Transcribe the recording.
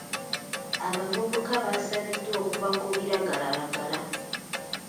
Abavubuka basabiddwa okuva ku biragalalagala.